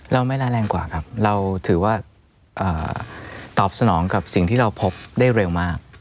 เราไม่ร้ายแรงกว่าครับเราถือว่าตอบสนองกับสิ่งที่เราพบได้เร็วมาก